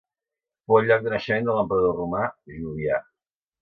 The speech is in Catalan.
Fou el lloc de naixement de l'emperador romà Jovià.